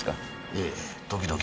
ええ時々。